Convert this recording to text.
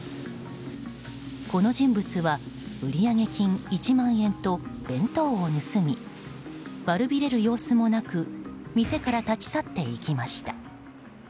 この人物は売上金１万円と弁当を盗み悪びれる様子もなく店から立ち去っていきました。